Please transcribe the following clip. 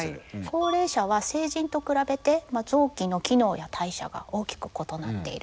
高齢者は成人と比べて臓器の機能や代謝が大きく異なっている。